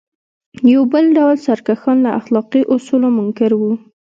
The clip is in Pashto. یو بل ډول سرکښان له اخلاقي اصولو منکر وو.